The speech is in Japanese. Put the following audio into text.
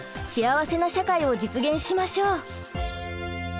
幸せな社会を実現しましょう！